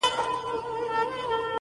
په نارو د بيزو وان خوا ته روان سو.!